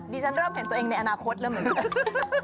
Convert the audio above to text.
ฉันเริ่มเห็นตัวเองในอนาคตแล้วเหมือนกัน